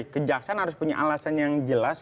kejaksaan harus punya alasan yang jelas